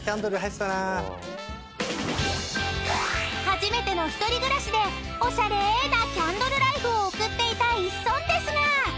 ［初めての１人暮らしでおしゃれなキャンドルライフを送っていたイッソンですが］